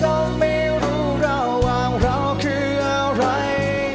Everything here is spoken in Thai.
ฉันก็ไม่รู้แล้วว่าเราคืออะไร